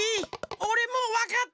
おれもうわかった！